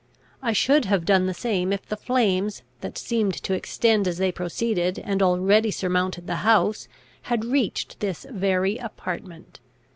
I should have done the same if the flames that seemed to extend as they proceeded, and already surmounted the house, had reached this very apartment.